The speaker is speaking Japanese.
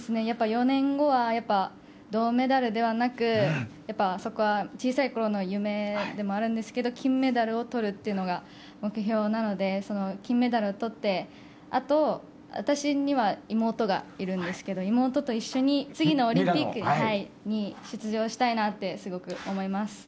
やっぱり４年後は銅メダルではなく小さいころの夢でもあるんですけども金メダルを取るというのが目標なので金メダルを取ってあと、私には妹がいるんですけど妹と一緒に次のオリンピックに出場したいなってすごく思います。